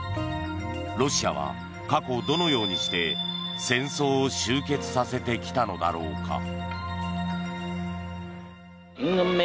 ロシアは過去どのようにして戦争を終結させてきたのだろうか。